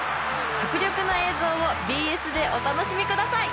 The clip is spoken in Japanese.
迫力の映像をＢＳでお楽しみください！